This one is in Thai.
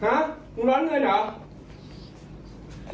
หือมึงทีมไปได้ไหน